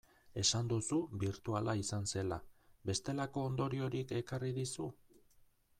Esan duzu birtuala izan zela, bestelako ondoriorik ekarri dizu?